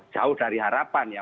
jauh dari harapan ya